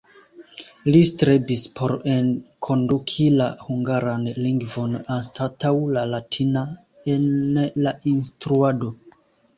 Li strebis por enkonduki la hungaran lingvon anstataŭ la latina en la instruado.